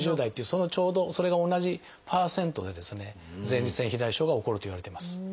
そのちょうどそれが同じパーセントで前立腺肥大症が起こるといわれてます。